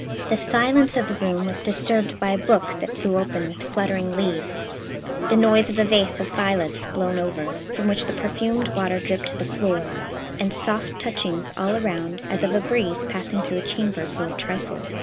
The silence of the room was disturbed by a book that flew open with fluttering leaves, the noise of a vase of violets blown over, from which the perfumed water dripped to the floor, and soft touchings all around as of a breeze passing through a chamber full of trifles.